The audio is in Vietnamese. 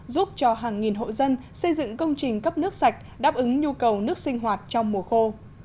giúp cho hàng nghìn hộ dân xây dựng công trình cấp nước sạch đáp ứng nhu cầu nước sinh hoạt trong mùa khô